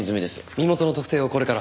身元の特定をこれから。